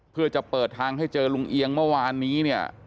เพื่อจะเปิดทางให้เจอลุงเอียงเมื่อวานนี้เนี่ย